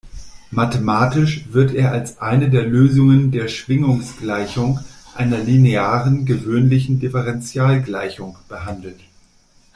Mathematisch wird er als eine der Lösungen der Schwingungsgleichung, einer linearen gewöhnlichen Differentialgleichung, behandelt.